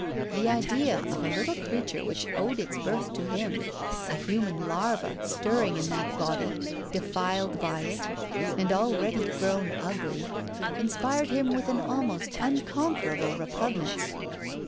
The idea of a little creature which owed its birth to him, a human larva stirring in that body defiled by it and already grown ugly, inspired him with an almost unconquerable repugnance.